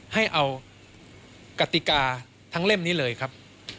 ให้เอากติกาทั้งเล่มนี้เลยครับ